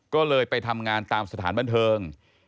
ก็เลยไปทำงานตามสถานบันเทิง